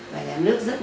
và nhà nước rất quan tâm